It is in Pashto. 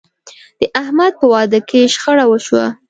د احمد په واده کې شخړه وشوه.